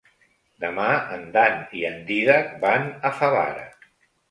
Demà en Dan i en Dídac van a Favara.